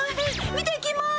見てきます。